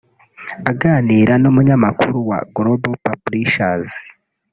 Aganira n’umunyamakuru wa Global Publishers